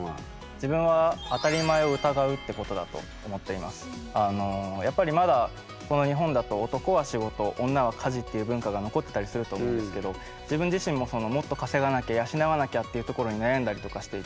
自分はやっぱりまだこの日本だと男は仕事女は家事っていう文化が残ってたりすると思うんですけど自分自身ももっと稼がなきゃ養わなきゃっていうところに悩んだりとかしていて。